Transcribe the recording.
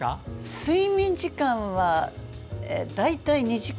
睡眠時間は大体２時間。